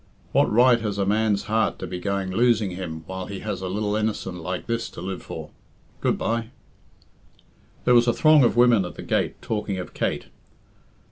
"What right has a man's heart to be going losing him while he has a lil innocent like this to live for? Good bye!" There was a throng of women at the gate talking of Kate.